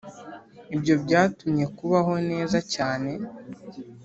ibyo byatuma kubaho neza cyane,